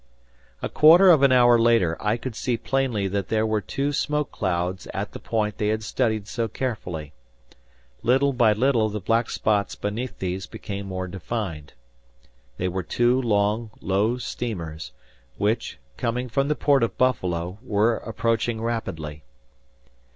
A quarter of an hour later, I could see plainly that there were two smoke clouds at the point they had studied so carefully. Little by little the black spots beneath these became more defined. They were two long, low steamers, which, coming from the port of Buffalo, were approaching rapidly.